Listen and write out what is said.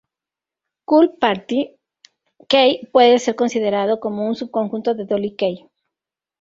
Cult party kei puede ser considerado como un subconjunto del dolly kei.